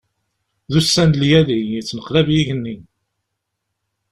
D ussan n lyali, yettneqlab yigenni.